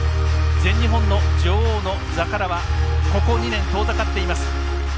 全日本の女王の座からはここ２年、遠ざかっています。